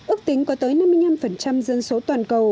ước tính có tới năm mươi năm dân số toàn cầu